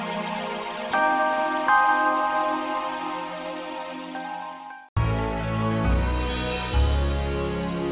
aku gak akan pernah lelah nungguin kamu